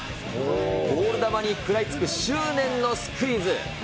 ボール球に食らいつく執念のスクイズ。